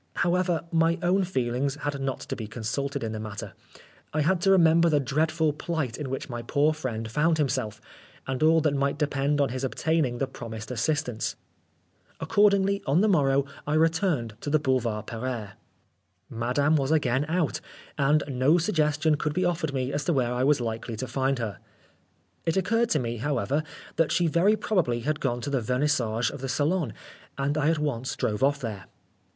However, my own feelings had not to be consulted in the matter. I had to remember the dreadful plight in which my poor friend found himself, and all that might depend on his obtaining the promised assistance. Accordingly, on the morrow I returned to the Boulevard Pereire. Madame 140 OSCAR WILDE WHEN IN AMERICA, 1883. To face p. 140. Oscar Wilde was again out, and no suggestion could be offered me as to where I was likely to find her. It occurred to me, however, that she very probably had gone to the Vernissage of the Salon, and I at once drove off there.